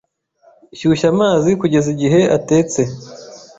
Shyushya amazi kugeza igihe atetse.